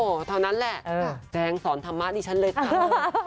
เท่านั้นแหละแจงสอนธรรมะดิฉันเลยค่ะ